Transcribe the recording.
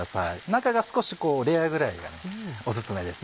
中が少しレアぐらいがおすすめです。